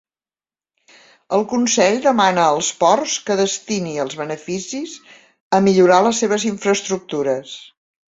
El Consell demana als ports que destini els beneficis a millorar les seves infraestructures